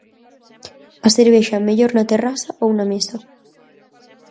A cervexa mellor na terraza ou na mesa?